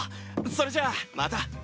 それじゃまた。